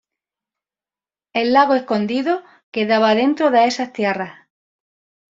El lago Escondido quedaba dentro de esas tierras.